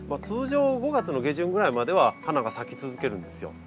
通常５月の下旬ぐらいまでは花が咲き続けるんですよ。